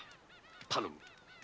頼む